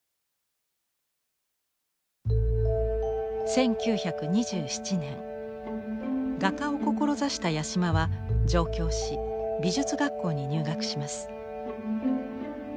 １９２７年画家を志した八島は上京し美術学校に入学します。